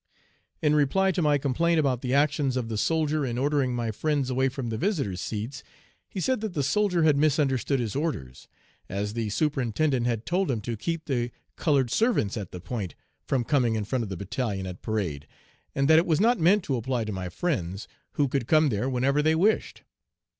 "In reply to my complaint about the actions of the soldier in ordering my friends away from the visitors' seats, he said that the soldier had misunderstood his orders, as the superintendent had told him to keep the colored servants on the 'Point' from coming in front of the battalion at parade, and that it was not meant to apply to my friends, who could come there whenever they wished.